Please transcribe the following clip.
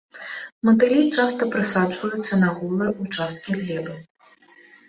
Матылі часта прысаджваюцца на голыя ўчасткі глебы.